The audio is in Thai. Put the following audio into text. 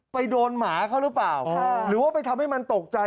ไปโดนหมาเขาหรือเปล่าหรือว่าไปทำให้มันตกใจ